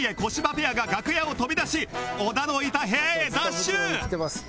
ペアが楽屋を飛び出し小田のいた部屋へダッシュ